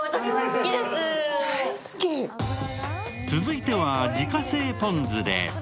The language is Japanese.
続いては、自家製ポン酢で。